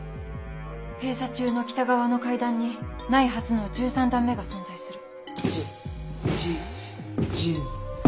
閉鎖中の北側の階段にないはずの十三段目が存在する。